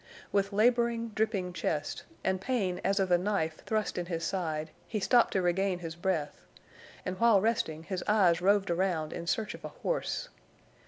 With laboring, dripping chest, and pain as of a knife thrust in his side, he stopped to regain his breath, and while resting his eyes roved around in search of a horse.